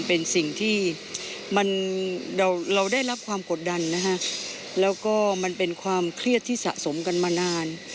เพราะว่ามันเป็นความเครียดที่สะสมกันมานาน